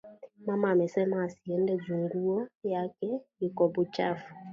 Mama asema asiende ju nguwo yake iko buchafu